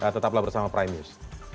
tetaplah bersama prime news